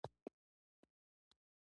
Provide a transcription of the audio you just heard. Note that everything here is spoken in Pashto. مشغولا به ئې له هغې حورې سره کيږي